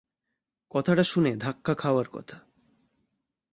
কথাটা শুনে ধাক্কা খাওয়ার কথা।